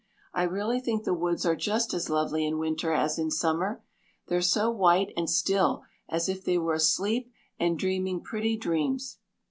I really think the woods are just as lovely in winter as in summer. They're so white and still, as if they were asleep and dreaming pretty dreams."